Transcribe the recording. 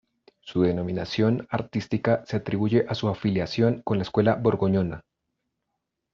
Su denominación artística se atribuye a su afiliación con la escuela borgoñona.